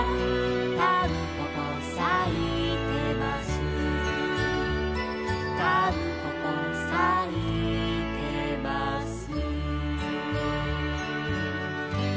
「たんぽぽさいてます」「たんぽぽさいてます」